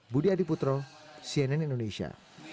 budi adiputro cnn indonesia